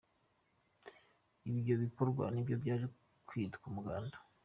Ibyo bikorwa nibyo byaje kwitwa Umuganda.